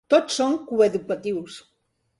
Tots són coeducatius.